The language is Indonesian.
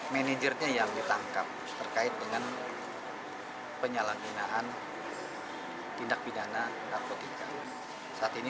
manajernya yang ditangkap terkait dengan penyalahgunaan tindak pidana narkotika saat ini